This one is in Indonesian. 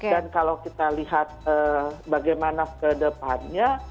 dan kalau kita lihat bagaimana kedepannya